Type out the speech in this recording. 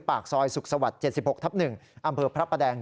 ปากซอยสุขสวรรค์๗๖ทับ๑อำเภอพระประแดง